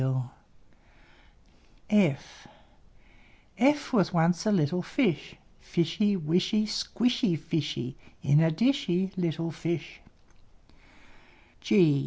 F f F was once a little fish, Fishy, Wishy, Squishy, Fishy, In a dishy, Little fish!